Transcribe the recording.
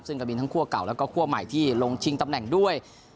ซึ่งก็มีทั้งคั่วเก่าแล้วก็คั่วใหม่ที่ลงชิงตำแหน่งด้วย